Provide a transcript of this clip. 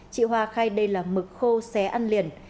chị hoa khai đây là mực khô xé ăn liền